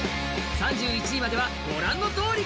３１位まではご覧のとおり。